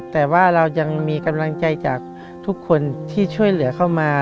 แต่ว่าเรายังมีกำลังใจจากทุกคนที่ช่วยเหลือเข้ามา